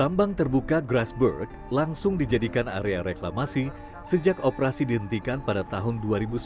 tambang terbuka grassberg langsung dijadikan area reklamasi sejak operasi dihentikan pada tahun dua ribu sembilan belas